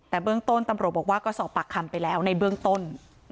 แต่เบื้องต้นตำรวจบอกว่าก็สอบปากคำไปแล้วในเบื้องต้น